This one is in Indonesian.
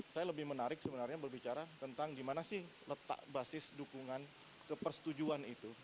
saya lebih menarik sebenarnya berbicara tentang gimana sih letak basis dukungan kepersetujuan itu